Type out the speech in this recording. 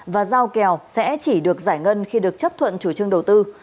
và giao kèo sẽ chỉ được giải ngân khi được chấp thuận chủ trương đầu tư